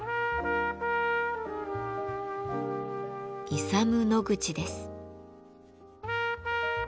イサム・ノグチです。